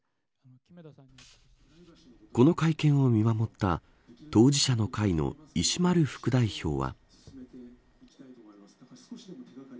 この会見を見守った当事者の会の石丸副代表は。